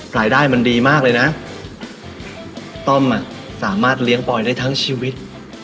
รายได้มันดีมากเลยนะต้อมอ่ะสามารถเลี้ยงปอยได้ทั้งชีวิต